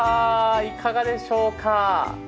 いかがでしょうか。